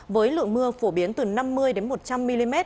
với lượng mưa phổ biến từ năm mươi một trăm linh mm